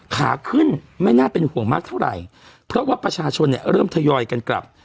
ขาขึ้นไม่น่าเป็นห่วงมากเท่าไหร่เพราะว่าประชาชนเนี่ยเริ่มทยอยกันกลับ